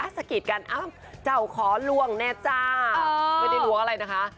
สะกิดกันเจ้าขอหลวงแน่จ้าไม่ได้หลวงอะไรนะคะ